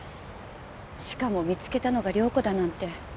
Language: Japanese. しかも見つけたのが涼子だなんて。